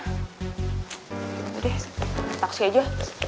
itu deh taksi aja